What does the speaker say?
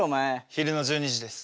昼の１２時です。